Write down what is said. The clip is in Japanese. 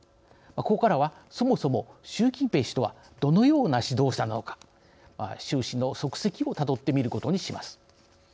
ここからはそもそも習近平氏とはどのような指導者なのか習氏の足跡をたどってみることにします。